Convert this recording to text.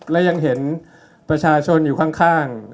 และยังเห็นประชาชนอยู่ข้าง